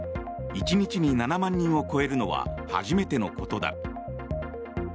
１日に７万人を超えるのは初めてのことだ。